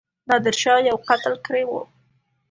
نادرشاه یو قتل کړی وو.